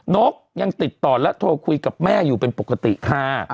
นกยังติดต่อและโทรคุยกับแม่อยู่เป็นปกติค่ะ